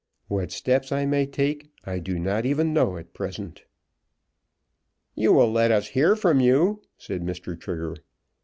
What steps I may take I do not even know at present." "You will let us hear from you," said Mr. Trigger.